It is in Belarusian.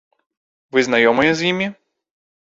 Вы знаёмыя з імі?